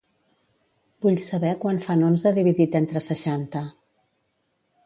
Vull saber quant fan onze dividit entre seixanta.